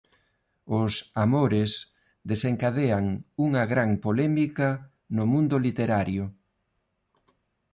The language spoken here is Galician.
Os "Amores" desencadean unha gran polémica no mundo literario.